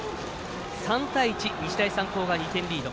３対１、日大三高が２点リード。